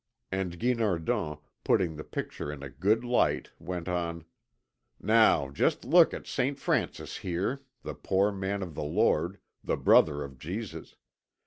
And Guinardon, putting the picture in a good light, went on: "Now just look at Saint Francis here, the poor man of the Lord, the brother of Jesus.